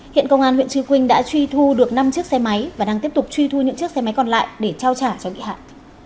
hiện công an huyện trư quynh đã truy thu được năm chiếc xe máy và đang tiếp tục truy thu những chiếc xe máy còn lại để trao trả cho bị hại